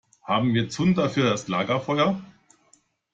Haben wir Zunder für das Lagerfeuer?